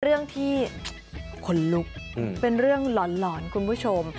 เรื่องที่ขนลุกเป็นเรื่องหลอนคุณผู้ชม